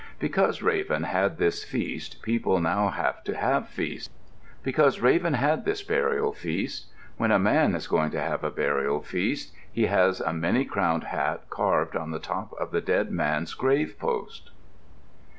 Because Raven had this feast, people now have to have feasts. Because Raven had this burial feast, when a man is going to have a burial feast he has a many crowned hat carved on the top of the dead man's grave post.